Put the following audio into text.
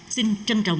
xin chân trọng